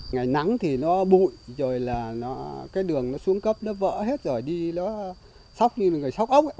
ngày nắng thì nó bụi rồi là cái đường nó xuống cấp nó vỡ hết rồi đi nó sóc như là người sóc ốc